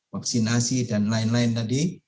vaksinasi dan lain lain tadi